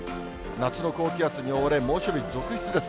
夏の高気圧に覆われ、猛暑日続出です。